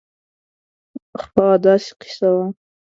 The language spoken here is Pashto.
خاا داسې قیصه وه